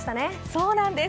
そうなんです。